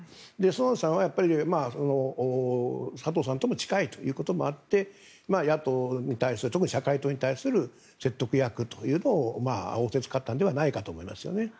園田さんは、佐藤さんと近いということもあって野党に対する特に社会党に対する説得役を仰せつかったのではないかと思いますね。